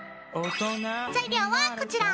材料はこちら。